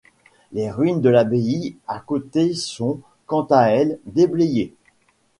Les ruines de l'abbaye à côté sont quant à elles déblayées.